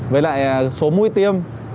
với lại số mũi tiêm